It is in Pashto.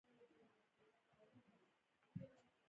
کابل هره ورځ د توپکو تر خولې لاندې و.